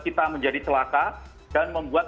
kita menjadi celaka dan membuat